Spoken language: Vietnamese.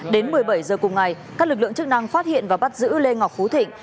đến một mươi bảy h cùng ngày các lực lượng chức năng phát hiện và bắt giữ lê ngọc phú thịnh